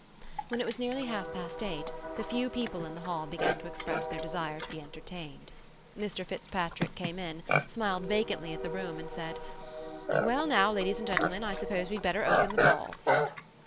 When it was nearly half past eight, the few people in the hall began to express their desire to be entertained. Mr Fitzpatrick came in, smiled vacantly at the room, and said: "Well now, ladies and gentlemen. I suppose we'd better open the ball."